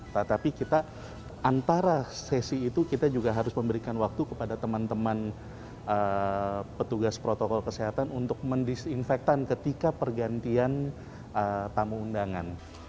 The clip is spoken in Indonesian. tetapi kita antara sesi itu kita juga harus memberikan waktu kepada teman teman petugas protokol kesehatan untuk mendisinfektan ketika pergantian tamu undangan